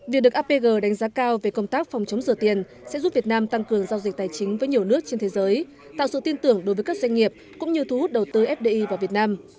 việc được apg đánh giá cao về công tác phòng chống rửa tiền sẽ giúp việt nam tăng cường giao dịch tài chính với nhiều nước trên thế giới tạo sự tin tưởng đối với các doanh nghiệp cũng như thu hút đầu tư fdi vào việt nam